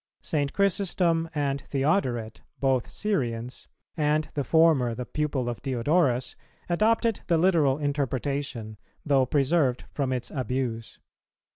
St. Chrysostom and Theodoret, both Syrians, and the former the pupil of Diodorus, adopted the literal interpretation, though preserved from its abuse.